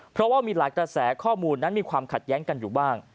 เพราะว่ามีหลายกระแสข้อมูลนั้นมีความขัดแย้งกันอยู่บ้าง